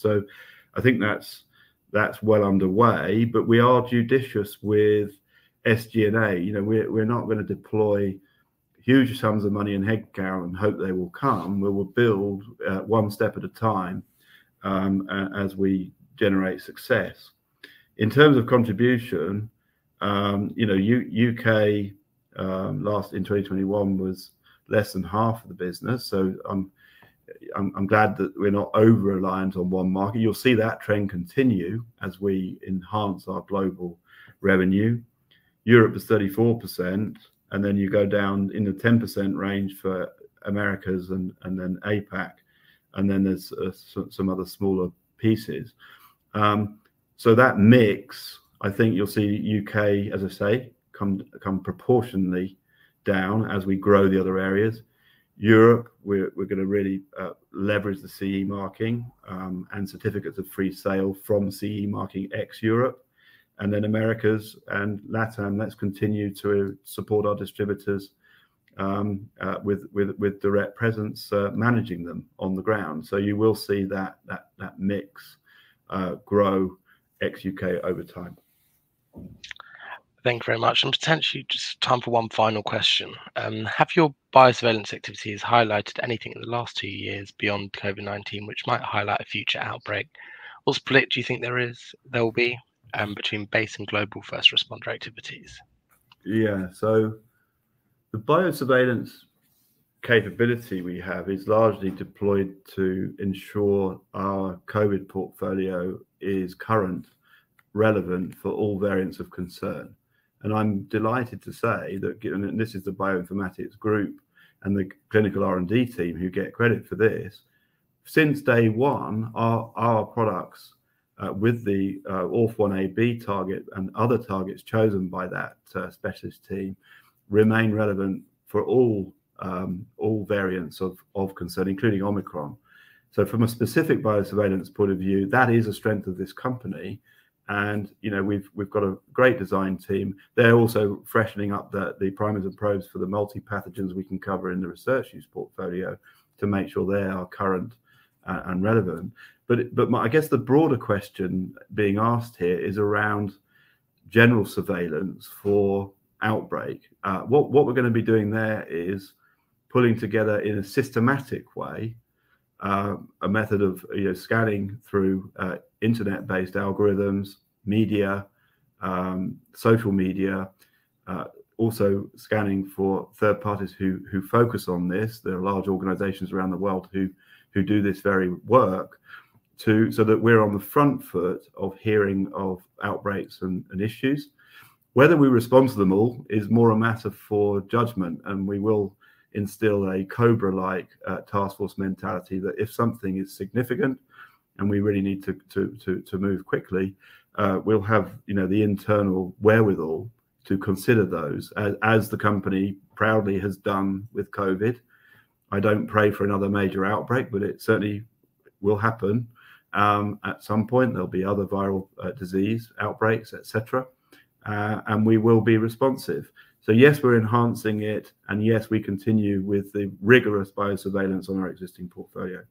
I think that's well underway, but we are judicious with SG&A. You know, we're not gonna deploy huge sums of money in headcount and hope they will come. We will build one step at a time as we generate success. In terms of contribution, you know, U.K. last in 2021 was less than half of the business, so I'm glad that we're not over-reliant on one market. You'll see that trend continue as we enhance our global revenue. Europe is 34%, and then you go down in the 10% range for Americas and then APAC, and then there's some other smaller pieces. That mix, I think you'll see U.K., as I say, come proportionally down as we grow the other areas. Europe, we're gonna really leverage the CE mark and certificates of free sale from CE mark ex Europe. Americas and LatAm, let's continue to support our distributors with direct presence managing them on the ground. You will see that mix grow ex-UK over time. Thank you very much. Potentially just time for one final question. Have your biosurveillance activities highlighted anything in the last two years beyond COVID-19 which might highlight a future outbreak? What split do you think there will be between base and global first responder activities? Yeah. The biosurveillance capability we have is largely deployed to ensure our COVID portfolio is currently relevant for all variants of concern. I'm delighted to say that given, and this is the bioinformatics group and the clinical R&D team who get credit for this, since day one, our products with the ORF1ab target and other targets chosen by that specialist team remain relevant for all variants of concern, including Omicron. From a specific biosurveillance point of view, that is a strength of this company. You know, we've got a great design team. They're also freshening up the primers and probes for the multi-pathogens we can cover in the research use portfolio to make sure they are currently and relevant. I guess the broader question being asked here is around general surveillance for outbreak. What we're gonna be doing there is pulling together in a systematic way a method of, you know, scanning through internet-based algorithms, media, social media, also scanning for third parties who focus on this. There are large organizations around the world who do this very work so that we're on the front foot of hearing of outbreaks and issues. Whether we respond to them all is more a matter for judgment, and we will instill a COBRA-like task force mentality that if something is significant and we really need to move quickly, we'll have, you know, the internal wherewithal to consider those as the company proudly has done with COVID. I don't pray for another major outbreak, but it certainly will happen at some point. There'll be other viral disease outbreaks, et cetera, and we will be responsive. Yes, we're enhancing it, and yes, we continue with the rigorous biosurveillance on our existing portfolio.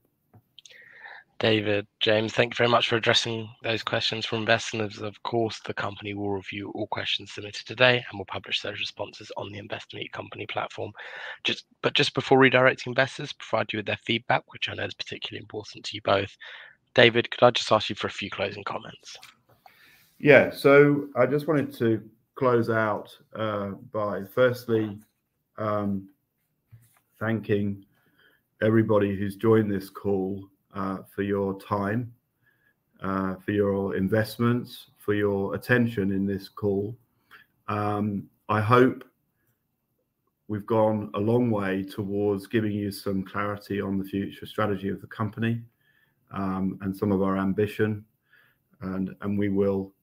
David, James, thank you very much for addressing those questions from investors. Of course, the company will review all questions submitted today and will publish those responses on the Investor Meet Company platform. Just before redirecting investors, provide you with their feedback, which I know is particularly important to you both. David, could I just ask you for a few closing comments? Yeah. I just wanted to close out by firstly thanking everybody who's joined this call for your time for your investments for your attention in this call. I hope we've gone a long way towards giving you some clarity on the future strategy of the company and some of our ambition, and we will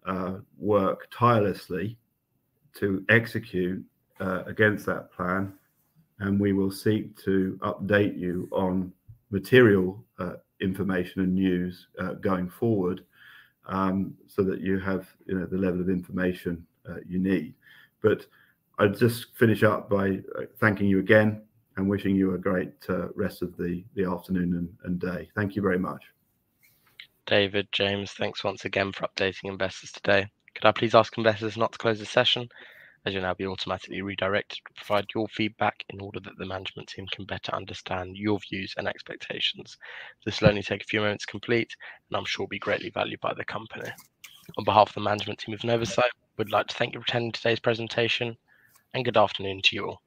work tirelessly to execute against that plan, and we will seek to update you on material information and news going forward so that you have you know the level of information you need. I'd just finish up by thanking you again and wishing you a great rest of the afternoon and day. Thank you very much. David, James, thanks once again for updating investors today. Could I please ask investors not to close the session, as you'll now be automatically redirected to provide your feedback in order that the management team can better understand your views and expectations. This will only take a few moments to complete, and I'm sure will be greatly valued by the company. On behalf of the management team of Novacyt, we'd like to thank you for attending today's presentation, and good afternoon to you all.